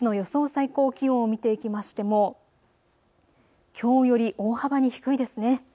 最高気温を見ていきましてもきょうより大幅に低いですね。